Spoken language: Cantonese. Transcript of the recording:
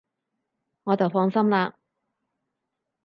我就放心喇